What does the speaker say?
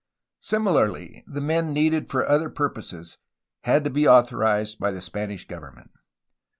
Similarly, the men needed for other purposes had to be authorized by the Spanish government.